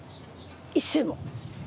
一銭も。